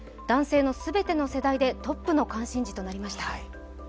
男性の全ての世代でトップの関心事となりました。